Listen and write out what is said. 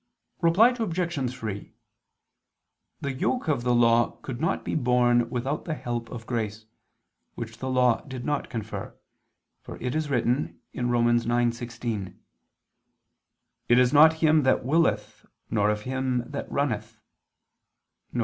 Reply Obj. 3: The yoke of the law could not be borne without the help of grace, which the law did not confer: for it is written (Rom. 9:16): "It is not him that willeth, nor of him that runneth," viz.